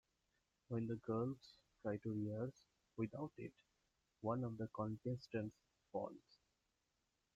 When the girls try to rehearse without it, one of the contestants falls.